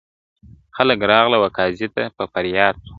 خلګ راغله و قاضي ته په فریاد سوه.